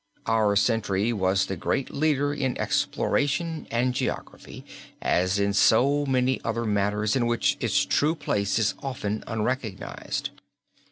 Our century was the great leader in exploration and geography as in so many other matters in which its true place is often unrecognized.